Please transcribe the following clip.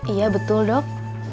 iya betul dok